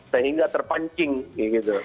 sehingga terpancing gitu